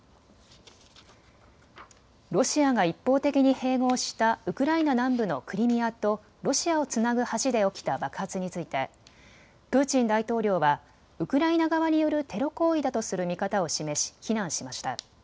ロシアが一方的に併合したウクライナ南部のクリミアとロシアをつなぐ橋で起きた爆発についてプーチン大統領はウクライナ側によるテロ行為だとする見方を示し非難しました。